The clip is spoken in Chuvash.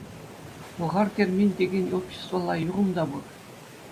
«Пӑлхартермен» текен обществӑлла юхӑм та пур.